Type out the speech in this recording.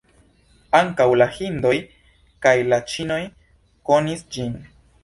Ankaŭ la hindoj kaj la ĉinoj konis ĝin.